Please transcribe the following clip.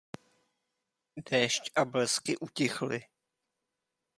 Déšť a blesky utichly.